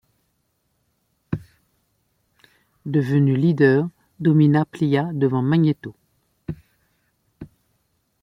Devenue leader, Domina plia devant Magnéto.